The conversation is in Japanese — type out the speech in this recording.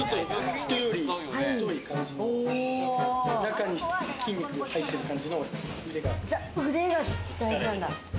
人より太い感じの、中に筋肉が入ってる感じの腕が。